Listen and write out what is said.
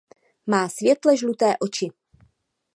Má světle žluté oči.